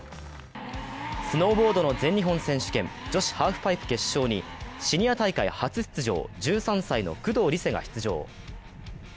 スノーボードの全日本選手権、女子ハーフパイプ決勝にシニア大会初出場、１３歳の工藤璃星が出場。